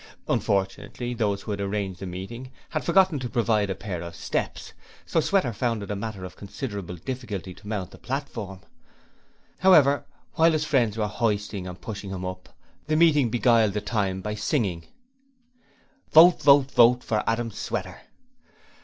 Unfortunately, those who had arranged the meeting had forgotten to provide a pair of steps, so Sweater found it a matter of considerable difficulty to mount the platform. However, while his friends were hoisting and pushing him up, the meeting beguiled the time by singing: 'Vote, vote, vote for Adam Sweater.'